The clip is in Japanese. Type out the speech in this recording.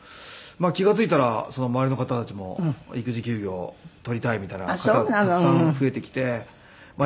気が付いたら周りの方たちも育児休業取りたいみたいな方がたくさん増えてきてまあ